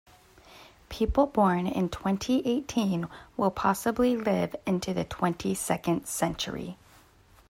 People born in twenty-eighteen will possibly live into the twenty-second century.